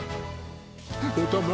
おたま